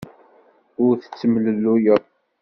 Ur tettemlelluyeḍ.